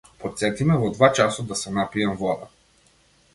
Потсети ме во два часот да се напијам вода.